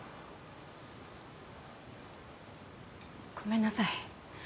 ごめんなさい。